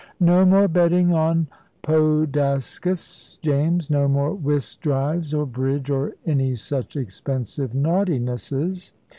No more betting on Podaskas, James; no more whist drives, or bridge, or any such expensive naughtinesses.